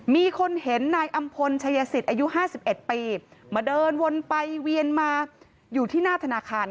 มีคนเห็นนายอำพลชัยสิทธิ์อายุ๕๑ปีมาเดินวนไปเวียนมาอยู่ที่หน้าธนาคาร